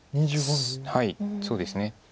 はいそうですね。